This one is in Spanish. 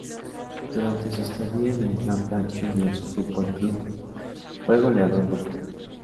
Durante su estadía en el Rampla Juniors Fútbol Club, fue goleador del club.